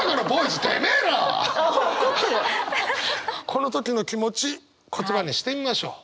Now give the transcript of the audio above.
この時の気持ち言葉にしてみましょう。